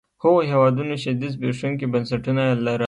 هغو هېوادونو شدید زبېښونکي بنسټونه يې لرل.